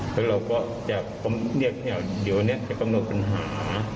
แล้วเราก็จะเดี๋ยวเนี่ยจะกำหนดปัญหา